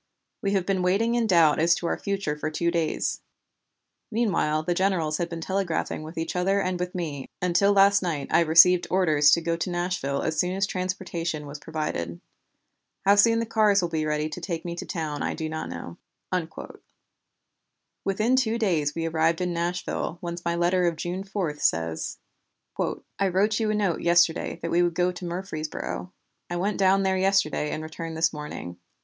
We have been waiting in doubt as to our future for two days; meanwhile the generals had been telegraphing with each other and with me, until last night I received orders to go to Nashville as soon as transportation was provided. How soon the cars will be ready to take me down I do not know." Within two days we arrived in Nashville whence my letter of June 4 says: "I wrote you a note yesterday that we would go to Murfreesboro. I went down there yesterday and returned this morning.